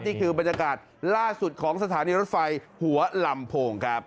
นี่คือบรรยากาศล่าสุดของสถานีรถไฟหัวลำโพงครับ